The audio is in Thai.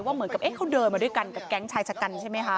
เหมือนกับเขาเดินมาด้วยกันกับแก๊งชายชะกันใช่ไหมคะ